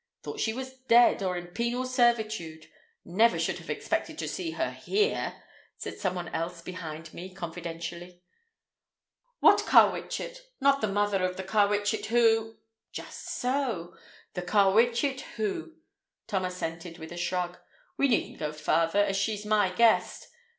"Thought she was dead or in penal servitude. Never should have expected to see her here," said some one else behind me confidentially. "What Carwitchet? Not the mother of the Carwitchet who—" "Just so. The Carwitchet who—" Tom assented with a shrug. "We needn't go farther, as she's my guest.